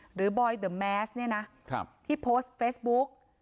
หรือบอยเดอะแมสที่โพสต์เฟซบุ๊ก